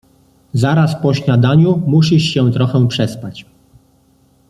— Zaraz po śniadaniu musisz się trochę przespać.